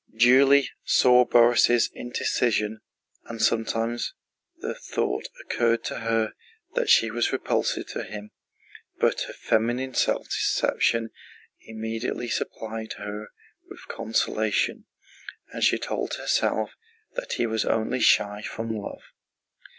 Julie saw Borís' indecision, and sometimes the thought occurred to her that she was repulsive to him, but her feminine self deception immediately supplied her with consolation, and she told herself that he was only shy from love.